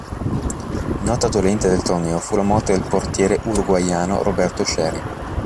Nota dolente del torneo fu la morte del portiere uruguaiano Roberto Chery.